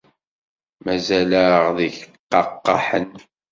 Mazal-aɣ deg yiqaqaḥen.